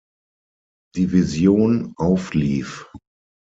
Division auflief.